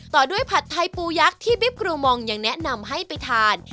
ต่อด้วยผัดไทยปูยักษ์ที่บิ๊บกรูมองยังแนะนำให้ไปทาน